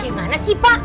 dimana sih pak